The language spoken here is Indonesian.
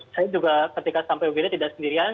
saya juga ketika sampai wild tidak sendirian